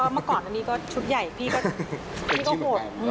เมื่อก่อนอันนี้ก็ชุดใหญ่พี่ก็โหด